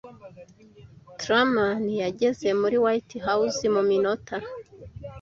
Truman yageze muri White House mu minota